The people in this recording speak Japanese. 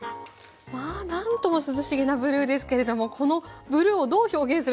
まあ何とも涼しげなブルーですけれどもこのブルーをどう表現するするのかなと思いました。